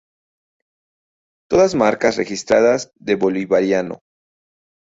Todas marcas registradas de Bolivariano.